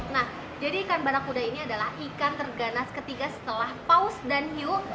nah jadi ikan barakuda ini adalah ikan terganas ketiga setelah paus dan hiu